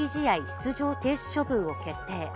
出場停止処分を決定。